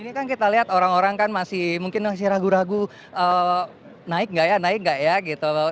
ini kan kita lihat orang orang kan masih mungkin masih ragu ragu naik nggak ya naik nggak ya gitu